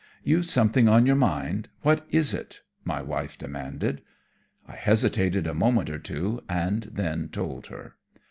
"You've something on your mind! What is it?" my wife demanded. I hesitated a moment or two and then told her.